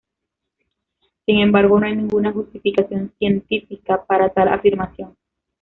Sin embargo, no hay ninguna justificación científica para tal afirmación.